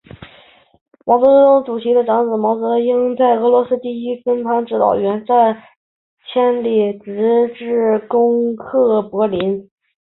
毛泽东主席的长子毛岸英作为白俄罗斯第一方面军坦克连指导员，转战千里，直至攻克柏林。